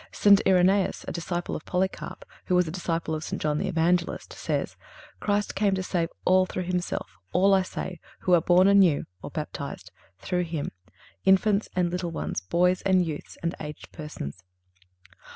St. Irenæus, a disciple of Polycarp, who was a disciple of St. John the Evangelist, says: "Christ came to save all through Himself; all, I say, who are born anew (or baptized) through Him—infants and little ones, boys and youths, and aged persons."